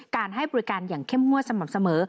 การให้บริการอย่างเข้มมั่วสม่ำเสมอ